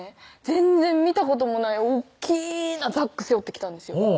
全然見たこともない大っきなザック背負ってきたんですよ